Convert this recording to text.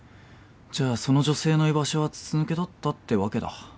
じゃあその女性の居場所は筒抜けだったってわけだ。